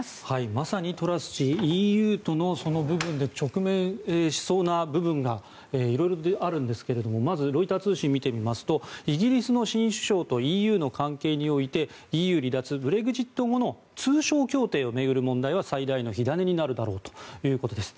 まさにトラス氏ＥＵとのその部分で直面しそうな部分が色々とあるんですけれどもまずロイター通信を見てみますとイギリスの新首相とＥＵの関係においてＥＵ離脱、ブレグジット後の通商協定を巡る問題は最大の火種になるだろうということです。